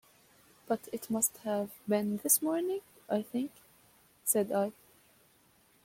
"But it must have been this morning, I think," said I.